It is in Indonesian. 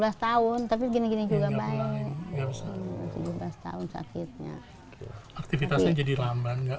sama udah tujuh belas tahun tapi gini gini juga baik tujuh belas tahun sakitnya aktivitasnya jadi lamban nggak